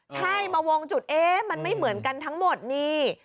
ใช่มาวงจุดเอ๊ะมันไม่เหมือนกันทั้งหมดนี่